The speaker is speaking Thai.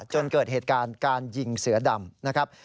จนเกิดเหตุการณ์การยิงเสือดำนะครับ